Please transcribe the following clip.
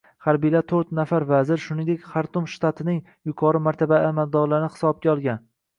Harbiylar to‘rt nafar vazir, shuningdek, Xartum shtatining yuqori martabali amaldorlarini hisbga olgan